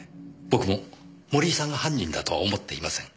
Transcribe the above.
僕も森井さんが犯人だとは思っていません。